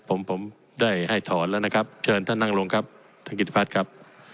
ผมผมได้ให้ถอนแล้วนะครับเชิญท่านนั่งลงครับท่านกิจพัฒน์ครับ